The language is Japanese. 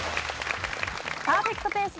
パーフェクトペースで池さん。